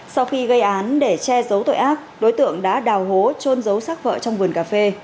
sau khi gây án để che giấu tội ác đối tượng đã đào hố trôn giấu sát vợ trong vườn cà phê